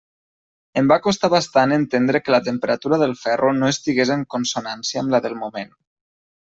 Em va costar bastant entendre que la temperatura del ferro no estigués en consonància amb la del moment.